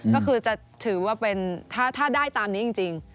ก็คือจะถือว่าเป็นถ้าได้ตามนี้จริง